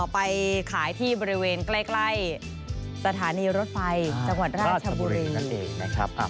ไปขายที่บริเวณใกล้สถานีรถไฟจังหวัดราชบุรี